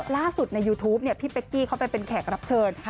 ล่าสุดในยูทูปพี่เป๊กกี้เขาไปเป็นแขกรับเชิญ